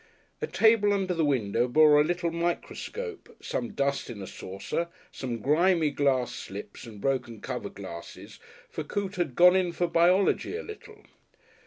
A table under the window bore a little microscope, some dust in a saucer, some grimy glass slips and broken cover glasses, for Coote had "gone in for" biology a little.